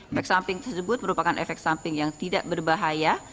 efek samping tersebut merupakan efek samping yang tidak berbahaya